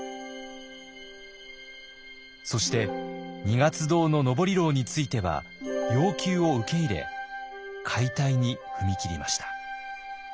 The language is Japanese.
そして二月堂の登廊については要求を受け入れ解体に踏み切りました。